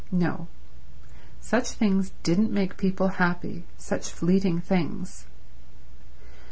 No; such things didn't make people happy, such fleeting things.